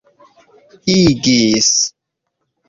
igis